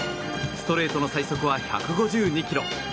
ストレートの最速は１５２キロ。